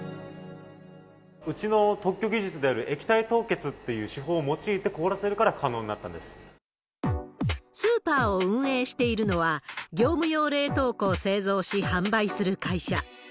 うちの特許技術である液体凍結っていう手法を用いて凍らせるスーパーを運営しているのは、業務用冷凍庫を製造し販売する会社。